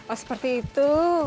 oh seperti itu